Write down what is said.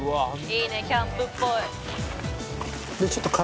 「いいねキャンプっぽい」